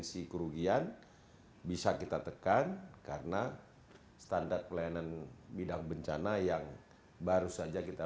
kondisi kerugian bisa kita tekan karena standar pelayanan bidang bencana yang baru saja kita